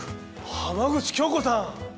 浜口京子さん。